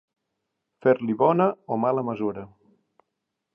Fer-li bona o mala mesura.